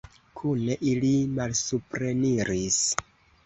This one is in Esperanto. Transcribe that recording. Kune ili malsupreniris.